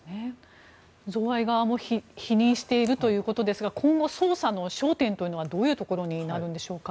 贈賄側も否認しているということですが今後、捜査の焦点はどういうところになるんでしょうか。